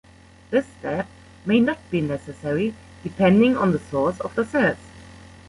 This step may not be necessary depending on the source of the cells.